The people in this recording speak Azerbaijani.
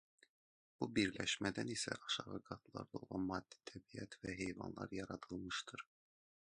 Bu birləşmədən isə aşağı qatlarda olan maddi təbiət və heyvanlar yaradılmışdır.